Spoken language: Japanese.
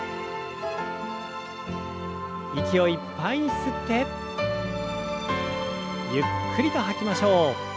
息をいっぱいに吸ってゆっくりと吐きましょう。